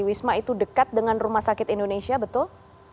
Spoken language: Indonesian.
wisma itu dekat dengan rumah sakit indonesia betul